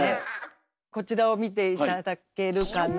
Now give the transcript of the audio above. こちらを見て頂けるかな？